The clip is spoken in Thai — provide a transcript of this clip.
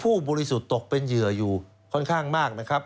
บริสุทธิ์ตกเป็นเหยื่ออยู่ค่อนข้างมากนะครับ